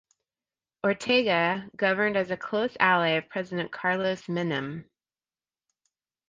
Ortega governed as a close ally of President Carlos Menem.